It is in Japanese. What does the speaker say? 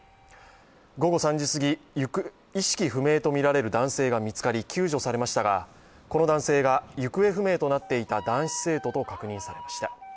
午後３時すぎ、意識不明とみられる男性が見つかり救助されましたが、この男性が行方不明となっていた男子生徒と確認されました。